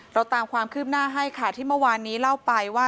ตามความคืบหน้าให้ค่ะที่เมื่อวานนี้เล่าไปว่า